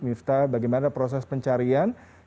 mifta bagaimana proses pencarian